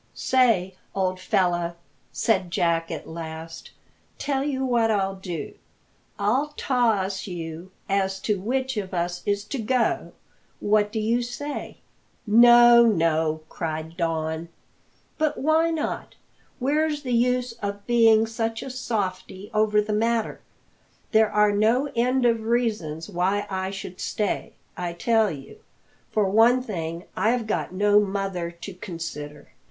"Say, old fellow," said Jack at last, "tell you what I'll do; I'll toss you as to which of us is togo. What do you say?" "No, no," cried Don. "But why not? Where's the use of being such a softie over the matter? There are no end of reasons why I should stay, I tell you. For one thing, I've got no mother to consider."